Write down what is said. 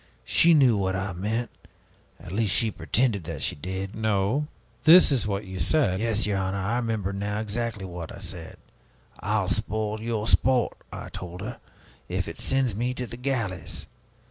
She knew what I meant, at least she pretended that she did." "No; this was what you said " "Yes, your honor, I remember now exactly what I said. 'I'll spoil your sport,' I told her, 'if it sends me to the galleys!'